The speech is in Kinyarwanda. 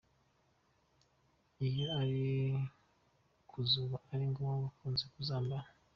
Iyo ari kuzuba ni bwo bakunda kuzambara,.